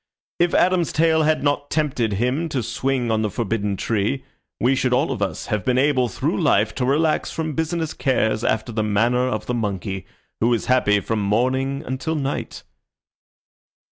If Adam's tail had not tempted him to swing on the forbidden tree, we should all of us have been able through life to relax from business cares after the manner of the monkey, who is happy from morning until night."